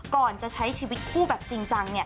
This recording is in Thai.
ก่อนจะใช้ชีวิตคู่แบบจริงจัง